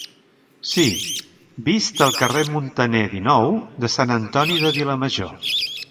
Sí, vist al carrer Muntaner, dinou de Sant Antoni de Vilamajor.